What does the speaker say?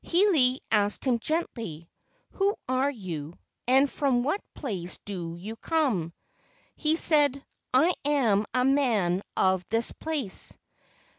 Hiilei asked him gently, "Who are you, and from what place do you come?" He said, "I am a man of this place."